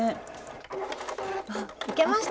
あっいけました！